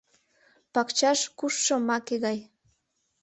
Пакчаш кушшо маке гай